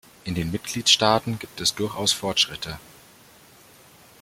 In den Mitgliedstaaten gibt es durchaus Fortschritte.